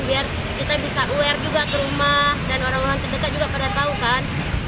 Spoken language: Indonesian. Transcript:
biar kita bisa aware juga ke rumah dan orang orang terdekat juga pada tahu kan